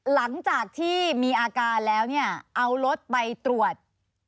หลังจากที่มีอาการแล้วเนี่ยเอารถไปตรวจ